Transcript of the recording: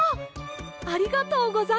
ありがとうございます！